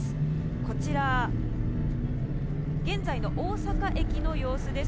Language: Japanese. こちら現在の大阪駅の様子です。